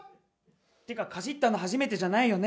っていうか、かじったの初めてじゃないよね。